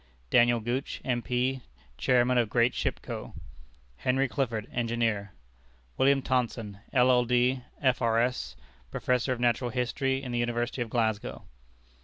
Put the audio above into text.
Daniel Gooch, M.P., Chairman of "Great Ship Co." Henry Clifford, Engineer. William Thomson, LL.D., F.R.S., Prof. of Natural Philosophy in the University of Glasgow.